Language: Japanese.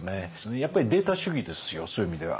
やっぱりデータ主義ですよそういう意味では。